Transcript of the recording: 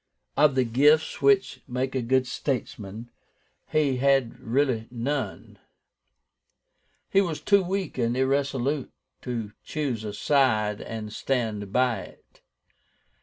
Of the gifts which make a good statesman, he had really none. He was too weak and irresolute to choose a side and stand by it.